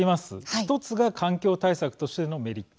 １つが環境対策としてのメリット。